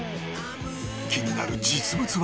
気になる実物は